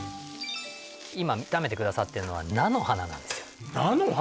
今炒めてくださってるのは菜の花なんですよ菜の花？